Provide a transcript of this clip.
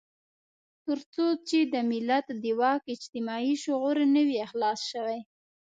تر څو چې د ملت د واک اجتماعي شعور نه وي خلاص شوی.